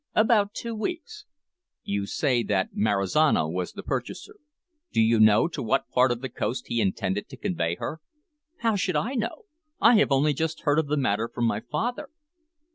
"About two weeks." "You say that Marizano was the purchaser. Do you know to what part of the coast he intended to convey her?" "How should I know? I have only just heard of the matter from my father."